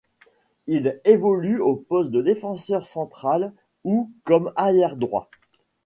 Il évolue au poste de défenseur central ou comme arrière droit.